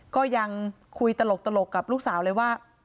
ก็ยังคุยตลกกับลูกสาวเลยว่า